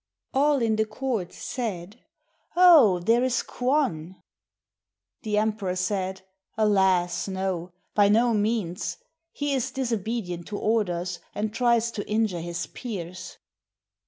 " All in the court said, " Oh! CHINA there is K'wan." The emperor said, "Alas! no, by no means! He is disobedient to orders, and tries to injure his peers."